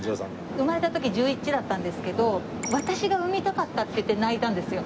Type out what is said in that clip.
生まれた時１１だったんですけど私が産みたかったっていって泣いたんですよ。